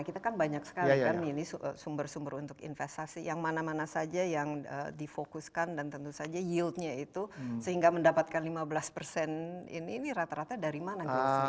kita kan banyak sekali kan ini sumber sumber untuk investasi yang mana mana saja yang difokuskan dan tentu saja yieldnya itu sehingga mendapatkan lima belas persen ini ini rata rata dari mana kira kira